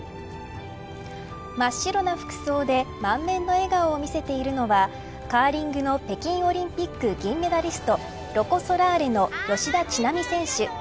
真っ白な服装で満面の笑顔を見せているのはカーリングの北京オリンピック銀メダリストロコ・ソラーレの吉田知那美選手。